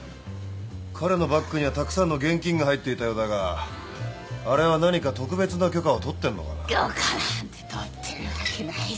彼のバッグにはたくさんの現金が入っていたようだがあれは何か特別な許可を取ってるのかな？